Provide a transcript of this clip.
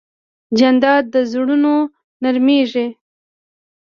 جانداد د زړونو نرمیږي.